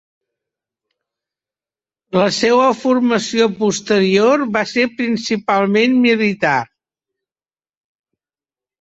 La seua formació posterior va ser principalment militar.